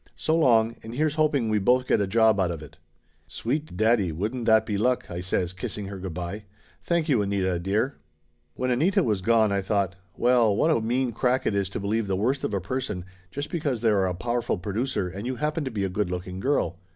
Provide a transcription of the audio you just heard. So long, and here's hoping we both get a job out of it!" "Sweet daddy, wouldn't that be luck !" I says, kissing her good by. "Thank you, Anita, dear!" When Anita was gone I thought, "Well, what a mean crack it is to believe the worst of a person just because they are a powerful producer and you happen to be a good looking girl."